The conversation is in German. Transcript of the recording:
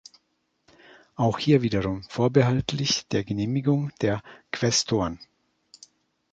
Auch hier wiederum, vorbehaltlich der Genehmigung der Quästoren.